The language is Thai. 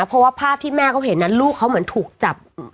เพราะว่าภาพที่แม่เขาเห็นนั้นลูกเขาเหมือนถูกจับ